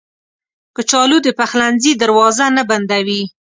کچالو د پخلنځي دروازه نه بندوي